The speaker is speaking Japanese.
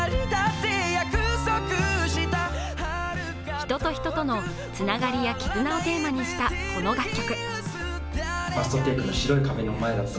人と人とのつながりや絆をテーマにした、この楽曲。